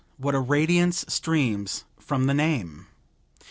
What a radiance streams from the name!